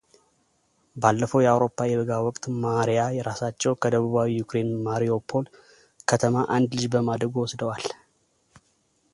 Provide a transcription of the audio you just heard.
ባለፈው የአውሮፓ የበጋ ወቅት ማሪያ ራሳቸው ከደቡባዊ ዩክሬን ማሪዩፖል ከተማ አንድ ልጅ በማደጎ ወስደዋል።